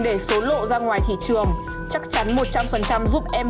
nếu được anh giúp em